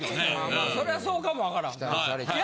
まあそれはそうかもわからんな。